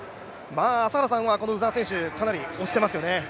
朝原さんはこの鵜澤選手、かなり推してますよね。